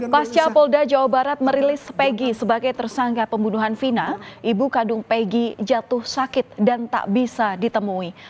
pasca polda jawa barat merilis pegi sebagai tersangka pembunuhan vina ibu kandung peggy jatuh sakit dan tak bisa ditemui